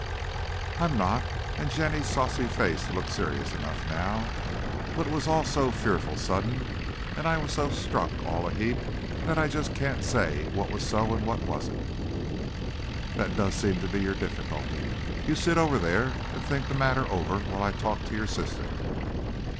"I'm not," and Jenny's saucy face looked serious enough now. "But it was all so fearful sudden, and I was so struck all of a heap, that I just can't say what was so and what wasn't!" "That does seem to be your difficulty. You sit over there and think the matter over, while I talk to your sister."